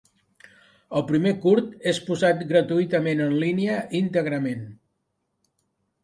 El primer curt és posat gratuïtament en línia íntegrament.